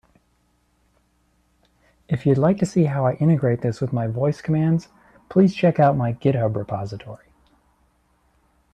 If you'd like to see how I integrate this with my voice commands, please check out my GitHub repository.